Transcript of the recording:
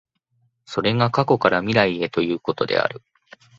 それが過去から未来へということである。